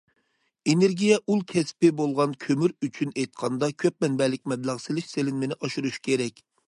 ئېنېرگىيە ئۇل كەسپى بولغان كۆمۈر ئۈچۈن ئېيتقاندا، كۆپ مەنبەلىك مەبلەغ سېلىش، سېلىنمىنى ئاشۇرۇش كېرەك.